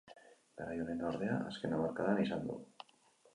Garai onena ordea azken hamarkadan izan du.